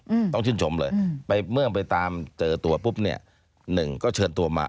อืมต้องชื่นชมเลยอืมไปเมื่อไปตามเจอตัวปุ๊บเนี้ยหนึ่งก็เชิญตัวมา